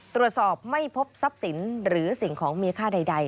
ตรวจสอบไม่พบทรัพย์สินหรือสิ่งของมีค่าใด